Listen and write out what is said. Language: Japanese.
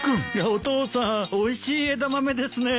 お父さんおいしい枝豆ですね。